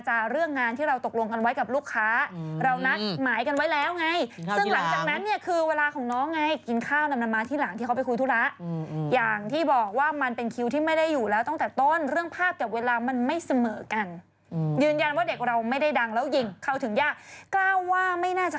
ชุดเรื่องก็จะมาวิเคราะห์กันว่าความขัดแย้งนั้นอย่างไงกันนะฮะ